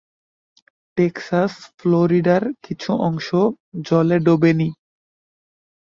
Texas, ফ্লোরিডার কিছু অংশ জলে ডোবেনি!